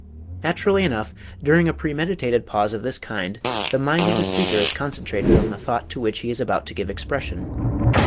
Naturally enough, during a premeditated pause of this kind the mind of the speaker is concentrated on the thought to which he is about to give expression.